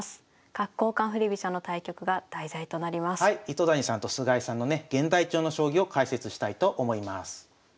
糸谷さんと菅井さんのね現代調の将棋を解説したいと思います。